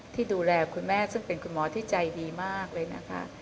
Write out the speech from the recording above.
ที่ดูแลคุณแม่ซึ่งเป็นคุณหมอที่ใจดีมากเลยนะคะ